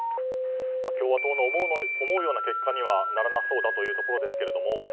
共和党の思うような結果にはならなそうだというところですけれども。